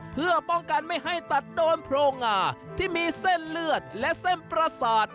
เพื่อป้องกันไม่ให้ตัดโดนโพรงงาที่มีเส้นเลือดและเส้นประสาท